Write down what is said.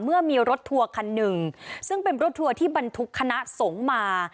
เมื่อมีรถทัวร์คันหนึ่งซึ่งเป็นรถทัวร์ที่บรรทุกคณะสงฆ์มา